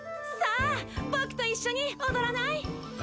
さあぼくと一緒におどらない？